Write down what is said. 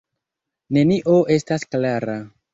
Nenio estas klara.